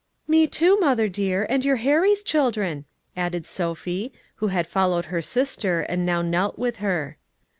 "Me too, mother dear, and your Harry's children," added Sophie, who had followed her sister, and now knelt with her.